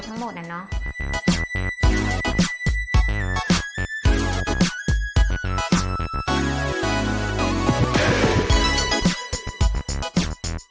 ทั้งหมดน่ะเนาะ